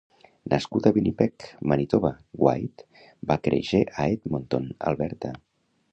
Nascut a Winnipeg, Manitoba, Whyte va créixer a Edmonton, Alberta.